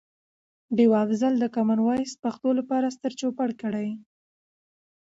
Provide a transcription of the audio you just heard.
ډیوه افضل د کمان وایس پښتو لپاره ستر چوپړ کړي.